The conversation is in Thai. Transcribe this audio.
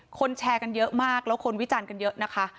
แชร์กันเยอะมากแล้วคนวิจารณ์กันเยอะนะคะ